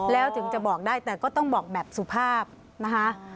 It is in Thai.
แล้วถึงจะบอกได้แต่ก็ต้องบอกแบบสุภาพนะคะ